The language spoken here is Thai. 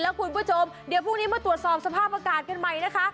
แล้วคุณผู้ชมเดี๋ยวพรุ่งนี้มาตรวจสอบสภาพอากาศกันใหม่นะคะ